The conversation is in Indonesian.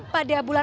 pada bulan maret